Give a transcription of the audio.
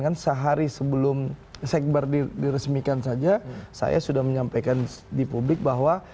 dan sehari sebelum sekber diresmikan saja saya sudah menyampaikan di publik bahwa